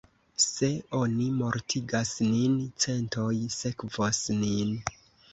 Se oni mortigas nin, centoj sekvos nin.